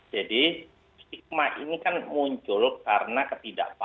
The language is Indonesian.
jadi stigma ini kan muncul karena ketidakpastian